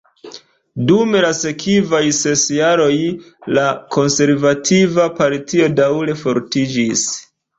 Dum la sekvaj ses jaroj, la Konservativa Partio daŭre fortiĝis.